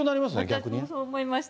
私もそう思いました。